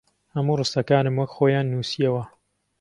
هەموو ڕستەکانم وەک خۆیان نووسییەوە